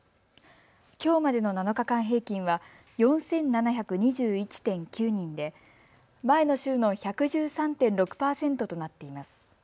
きょうまでの７日間平均は４７２１．９人で前の週の１１３．６％となっています。